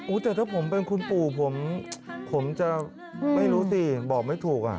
แต่ถ้าผมเป็นคุณปู่ผมจะไม่รู้สิบอกไม่ถูกอ่ะ